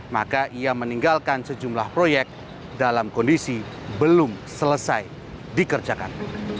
maka ia meninggalkan sejumlah proyek dalam kondisi belum selesai dikerjakan